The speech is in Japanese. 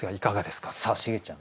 さあシゲちゃん